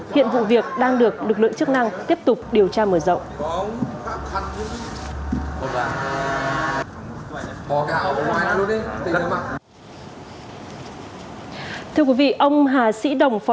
hiện vụ việc đang được lực lượng chức năng tiếp tục điều tra mở rộng